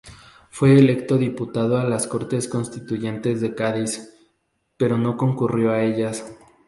Fue electo diputado a las cortes constituyentes de Cádiz pero no concurrió a ellas.